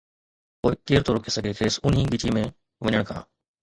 پوءِ ڪير ٿو روڪي سگهي کيس اونهي ڳچي ۾ وڃڻ کان.